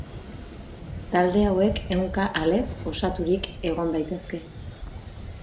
Talde hauek ehunka alez osaturik egon daitezke.